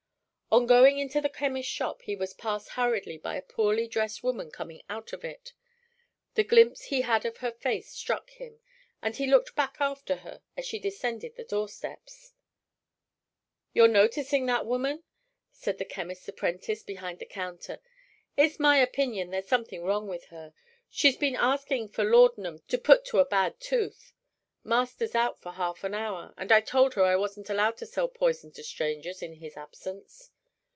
On going into the chemist's shop he was passed hurriedly by a poorly dressed woman coming out of it. The glimpse he had of her face struck him, and he looked back after her as she descended the door steps. "You're noticing that woman?" said the chemist's apprentice behind the counter. "It's my opinion there's something wrong with her. She's been asking for laudanum to put to a bad tooth. Master's out for half an hour, and I told her I wasn't allowed to sell poison to strangers in his absence.